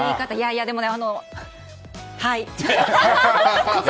でもねはい。